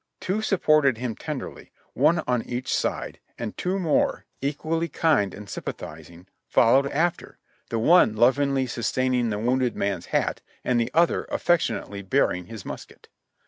Two sup ported him tenderly, one on each side, and two more, equally kind 134 JOHNNY RKB and BII.I,Y YANK and sympathizing , followed after, the one lovingly sustaining the wounded man's hat and the other affectionately bearing his musket.